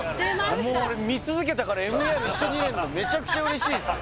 もう俺見続けたから「ＭＥＲ」一緒にいれるのめちゃくちゃ嬉しいっすよ